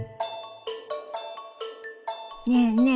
ねえねえ